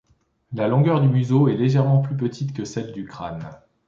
La longueur du museau est légèrement plus petite que celle du crâne.